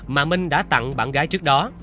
mà minh đã tặng bạn gái trước đó